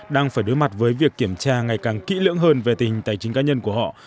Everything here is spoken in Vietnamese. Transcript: đang phải đối mặt với việc kiểm tra ngày càng kỹ lưỡng hơn về tình hình tài chính cá nhân của họ